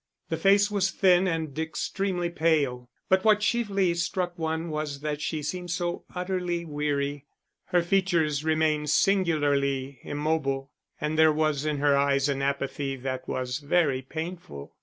The face was thin and extremely pale; but what chiefly struck one was that she seemed so utterly weary. Her features remained singularly immobile, and there was in her eyes an apathy that was very painful.